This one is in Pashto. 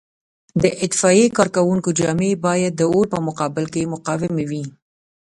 د اطفایې کارکوونکو جامې باید د اور په وړاندې مقاومې وي.